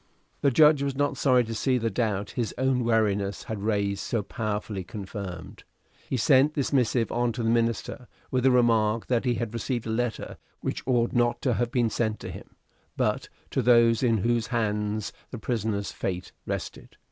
The judge was not sorry to see the doubt his own wariness had raised so powerfully confirmed. He sent this missive on to the minister, with the remark that he had received a letter which ought not to have been sent to him, but to those in whose hands the prisoner's fate rested.